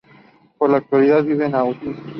Por la actualidad vive en El Aaiún.